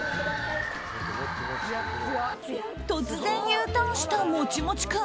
突然Ｕターンしたもちもち君。